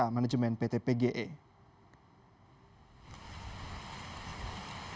sementara itu badan lingkungan hidup atau blh kabupaten lebong akan memeriksa